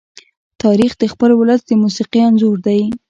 تاریخ د خپل ولس د موسیقي انځور دی.